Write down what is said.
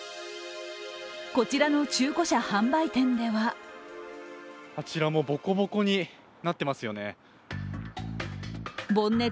こちらの中古車販売店ではあちらもボコボコになってますよね。